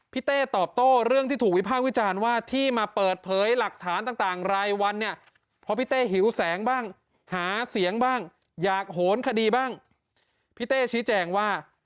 พี่เต้ชี้แจงว่า